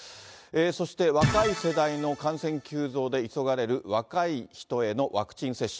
そして、若い世代の感染急増で急がれる若い人へのワクチン接種。